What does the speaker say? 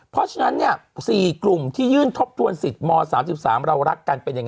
เพราะฉะนั้น๔กลุ่มที่ยื่นทบทวนสิทธิ์ม๓๓เรารักกันเป็นยังไง